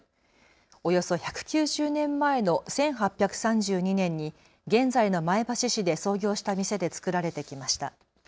およそ１９０年前の１８３２年に現在の前橋市で創業した店で作られてきました。